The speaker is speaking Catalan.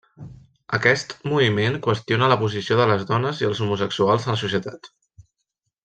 Aquest moviment qüestiona la posició de les dones i els homosexuals en la societat.